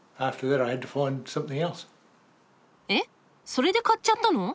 それで買っちゃったの？